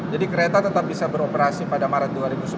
jadi kereta tetap bisa beroperasi pada maret dua ribu sembilan belas